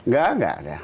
gak gak ada